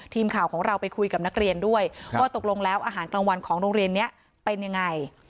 ทีมข่าวของเราไปคุยกับนักเรียนด้วยว่าตกลงแล้วอาหารกลางวันของโรงเรียนนี้เป็นยังไง